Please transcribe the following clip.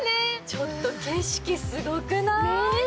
ちょっと景色すごくない？